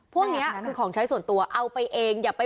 พวกนี้คือของใช้ส่วนตัวเอาไปเองอย่าไป